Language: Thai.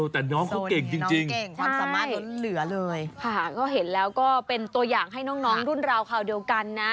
แต่น้องเขาเก่งจริงเก่งความสามารถล้นเหลือเลยค่ะก็เห็นแล้วก็เป็นตัวอย่างให้น้องรุ่นราวคราวเดียวกันนะ